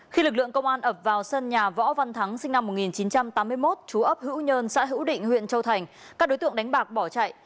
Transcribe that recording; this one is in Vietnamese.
khi lực lượng công an ập vào sân nhà võ văn thắng sinh năm một nghìn chín trăm tám mươi một chú ấp hữu nhân xã hữu định huyện châu thành các đối tượng đánh bạc bỏ chạy